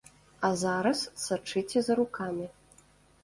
А зараз сачыце за рукамі.